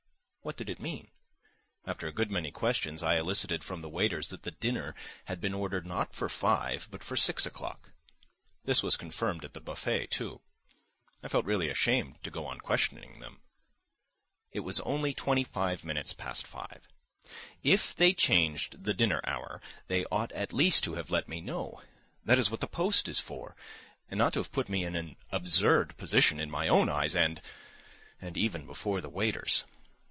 What did it mean? After a good many questions I elicited from the waiters that the dinner had been ordered not for five, but for six o'clock. This was confirmed at the buffet too. I felt really ashamed to go on questioning them. It was only twenty five minutes past five. If they changed the dinner hour they ought at least to have let me know—that is what the post is for, and not to have put me in an absurd position in my own eyes and ... and even before the waiters.